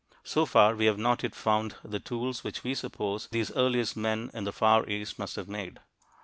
So far, we have not yet found the tools which we suppose these earliest men in the Far East must have made.